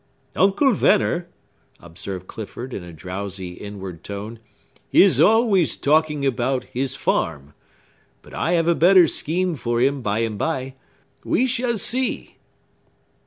"Uncle Venner" observed Clifford in a drowsy, inward tone, "is always talking about his farm. But I have a better scheme for him, by and by. We shall see!"